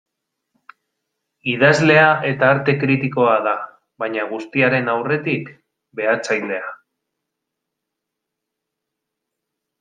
Idazlea eta arte kritikoa da, baina guztiaren aurretik, behatzailea.